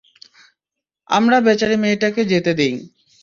আমরা বেচারী মেয়েটাকে যেতে দেই!